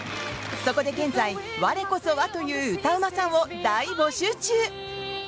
そこで現在、我こそはという歌うまさんを大募集中。